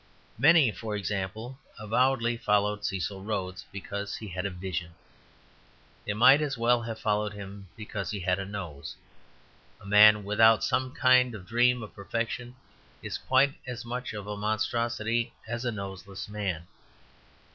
Many, for example, avowedly followed Cecil Rhodes because he had a vision. They might as well have followed him because he had a nose; a man without some kind of dream of perfection is quite as much of a monstrosity as a noseless man.